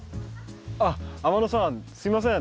あっ天野さんすみません。